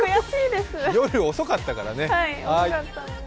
夜遅かったからね。